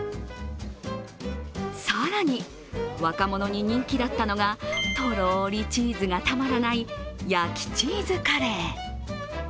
更に若者に人気だったのがとろりチーズがたまらない焼チーズカレー。